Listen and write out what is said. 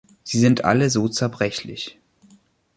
Sie sind alle so zerbrechlich!